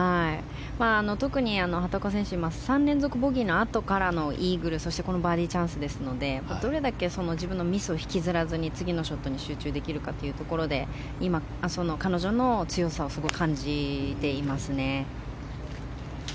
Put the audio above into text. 特に、畑岡選手３連続ボギーからのイーグル、そしてこのバーディーチャンスですのでどれだけ自分のミスを引きずらずに次のショットに集中できるかというところで彼女の強さをすごく感じていますね。